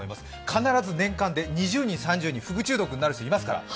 必ず年間で２０人３０人、フグ中毒になる人いますから。